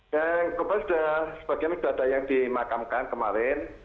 yang korban sudah sebagian sudah ada yang dimakamkan kemarin